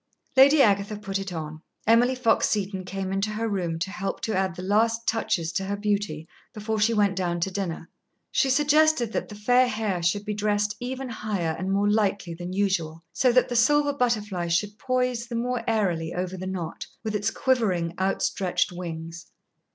Lady Agatha put it on. Emily Fox Seton came into her room to help to add the last touches to her beauty before she went down to dinner. She suggested that the fair hair should be dressed even higher and more lightly than usual, so that the silver butterfly should poise the more airily over the knot, with its quivering, outstretched wings.